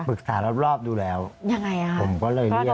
ปรึกษารับรอบดูแล้วผมก็เลยเรียก